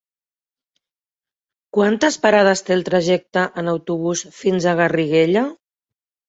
Quantes parades té el trajecte en autobús fins a Garriguella?